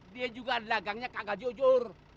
dia juga dagangnya kagak jujur